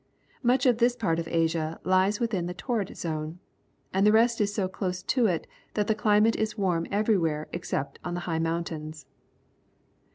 '^ Much of this part of Asia lies within the '^ Torrid Zone, and the rest is so close to it ^ that the climate is warm ever j'^vhere except 1^ on the high mountains.